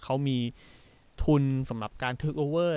เขามีทุนสำหรับการเทคโอเวอร์